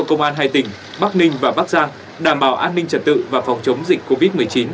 công an hai tỉnh bắc ninh và bắc giang đảm bảo an ninh trật tự và phòng chống dịch covid một mươi chín